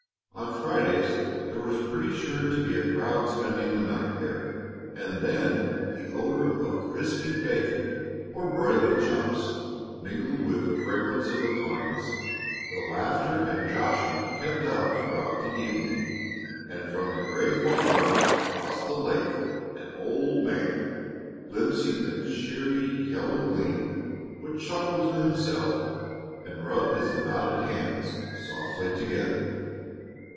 On Fridays there was pretty sure to be a crowd spending the night there, and then the odor of crisping bacon or broiling chops mingled with the fragrance of the pines; the laughter and joshing kept up throughout the evening, and from the gray farmhouse across the lake an old man, glimpsing the cheery yellow gleam, would chuckle to himself and rub his knotted hands softly together.